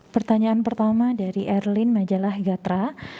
pertanyaan pertama dari erlin majalah gatra